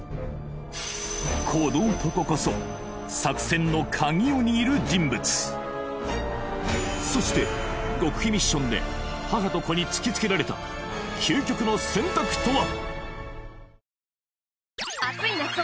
この男こそ作戦のカギを握る人物そして極秘ミッションで母と子に突きつけられた究極の選択とは？